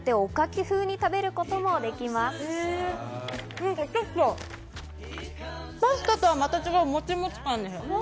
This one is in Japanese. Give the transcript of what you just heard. ちょっと、パスタとはまた違うもちもち感です。